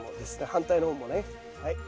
反対の方もねはい。